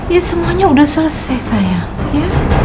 ya semuanya udah selesai sayang